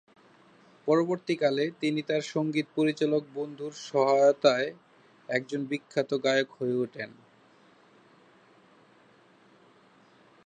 পরবর্তীকালে, তিনি তার সংগীত পরিচালক বন্ধুর সহায়তায় একজন বিখ্যাত গায়ক হয়ে ওঠেন।